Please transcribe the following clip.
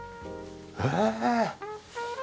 へえ！